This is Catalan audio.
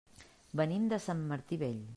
Venim de Sant Martí Vell.